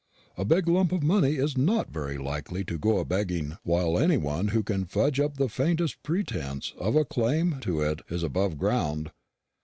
A big lump of money is not very likely to go a begging while any one who can fudge up the faintest pretence of a claim to it is above ground.